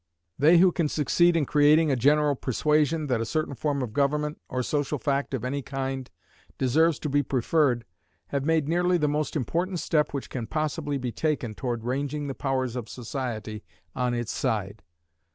They who can succeed in creating a general persuasion that a certain form of government, or social fact of any kind, deserves to be preferred, have made nearly the most important step which can possibly be taken toward ranging the powers of society on its side.